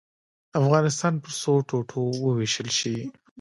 افغانستان پر څو ټوټو ووېشل شي.